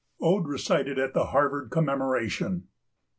ODE RECITED AT THE HARVARD COMMEMORATION.